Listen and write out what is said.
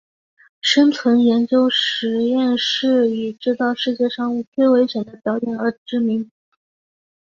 生存研究实验室以制造世界上最危险的表演而知名。